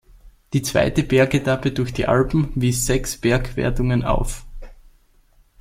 Die zweite Bergetappe durch die Alpen wies sechs Bergwertungen auf.